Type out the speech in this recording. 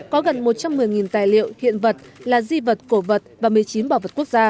có gần một trăm một mươi tài liệu hiện vật là di vật cổ vật và một mươi chín bảo vật quốc gia